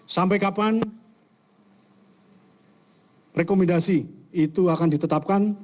sampai kapan rekomendasi itu akan ditetapkan